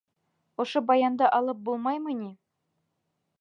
Ошо баянды алып булмаймы ни?